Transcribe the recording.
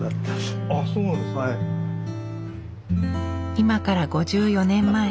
今から５４年前。